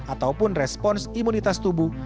ataupun respons imunitas tubuh